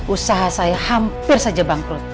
usaha saya hampir saja bangkrut